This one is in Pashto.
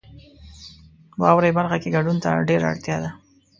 واورئ برخه کې ګډون ته ډیره اړتیا ده.